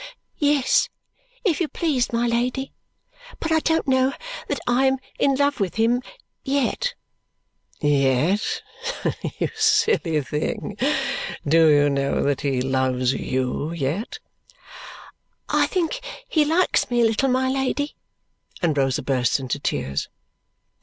"Yes, if you please, my Lady. But I don't know that I am in love with him yet." "Yet, you silly little thing! Do you know that he loves YOU, yet?" "I think he likes me a little, my Lady." And Rosa bursts into tears.